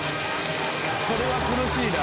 これは苦しいな。